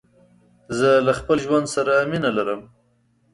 زه له خپل ژوند سره مينه لرم.